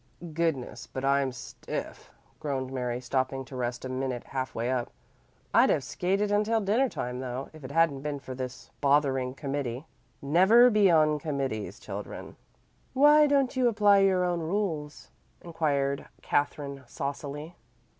"Goodness, but I'm stiff," groaned Mary, stopping to rest a minute half way up. "I'd have skated until dinner time though, if it hadn't been for this bothering committee. Never be on committees, children." "Why don't you apply your own rules?" inquired Katherine saucily.